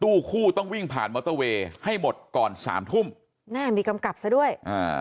คู่ต้องวิ่งผ่านมอเตอร์เวย์ให้หมดก่อนสามทุ่มแม่มีกำกับซะด้วยอ่า